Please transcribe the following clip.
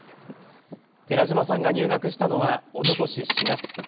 寺嶋さんが入学したのはおととし４月。